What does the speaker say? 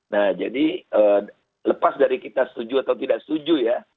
nah jadi lepas dari kita setuju atau tidak setuju ya